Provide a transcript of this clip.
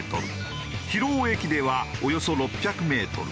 広尾駅ではおよそ６００メートル。